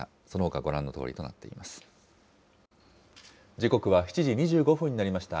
時刻は７時２５分になりました。